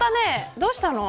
どうしたの。